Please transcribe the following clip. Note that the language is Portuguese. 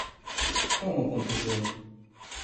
Como aconteceu?